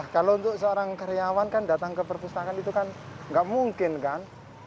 kalau untuk seorang karyawan kan datang ke perpustakaan itu kan nggak mungkin kan